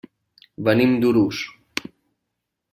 Venim d'Urús.